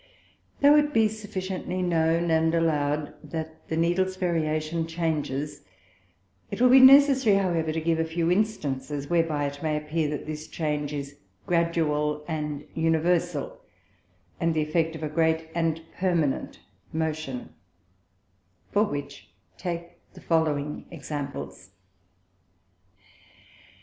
Though it be sufficiently known and allow'd, that the Needles Variation changes, it will be necessary however to give a few Instances, whereby it may appear that this Change is gradual and universal, and the effect of a great and permanent motion: For which take the following Examples.